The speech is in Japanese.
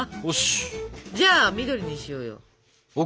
おし！じゃあ緑にしようよ。ＯＫ！